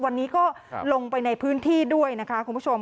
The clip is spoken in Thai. วันนี้ก็ลงไปในพื้นที่ด้วยนะคะคุณผู้ชม